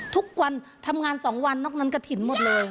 ทุกวันทำงาน๒วันนอกนั้นกระถิ่นหมดเลย